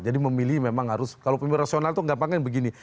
jadi memilih memang harus kalau pemilih rasional itu gampangnya begini